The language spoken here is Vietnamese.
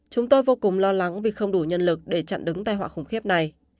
chúng tôi vô cùng lo lắng vì không đủ nhân lực để chặn đứng tay họa khủng khiếp này